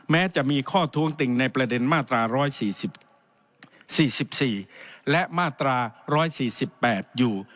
แม้จะมีข้อท้วงติ่งในประเด็นมาตรา๑๔๔และมาตรา๑๔๘อยู่